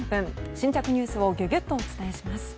新着ニュースをギュギュッとお伝えします。